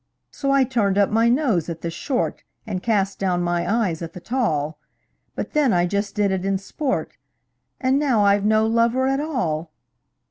So I turned up my nose at the short, And cast down my eyes at the tall; But then I just did it in sport And now I've no lover at all!